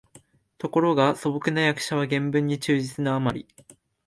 ところが素朴な訳者は原文に忠実なあまり、